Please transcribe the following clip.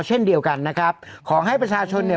เช่นเดียวกันนะครับขอให้ประชาชนเนี่ย